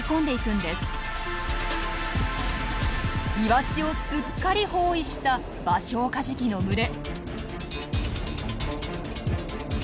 イワシをすっかり包囲したバショウカジキの群れ。